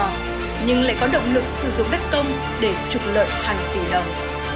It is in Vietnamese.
nhưng lại có động lực sử dụng đất công để trục lợi hàng tỷ đồng